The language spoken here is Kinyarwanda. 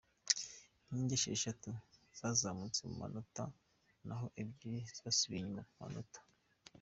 Inkingi esheshatu zazamutse mu manota naho ebyiri zisubira inyuma mu manota.